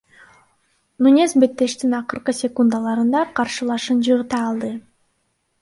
Нунес беттештин акыркы секундаларында каршылашын жыгыта алды.